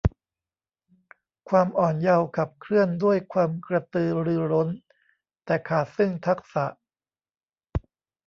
ความอ่อนเยาว์ขับเคลื่อนด้วยความกระตือรือร้น แต่ขาดซึ่งทักษะ